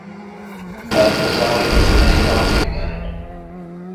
Payipu za woyilo zinaayitawa mu Uganda.